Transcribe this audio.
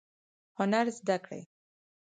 هنر زده کړئ